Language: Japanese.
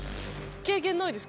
経験ないですか？